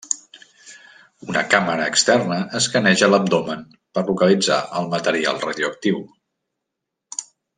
Una càmera externa escaneja l'abdomen per localitzar el material radioactiu.